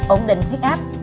ổn định huyết áp